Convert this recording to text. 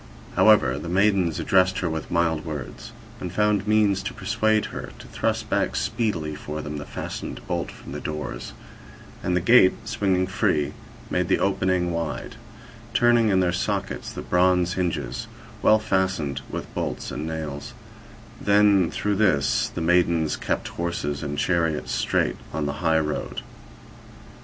1 However, the maidens addressed her with mild words, and found means to persuade her to thrust back speedily for them the fastened bolt from the doors; and the gate swinging free made the opening wide, turning in their sockets the bronze 20 hinges, well fastened with bolts and nails; then through this the maidens kept horses and chariot straight on the high road.